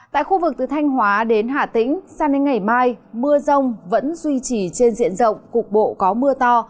tại khu vực từ thanh hóa đến hà tĩnh sang đến ngày mai mưa rông vẫn duy trì trên diện rộng cục bộ có mưa to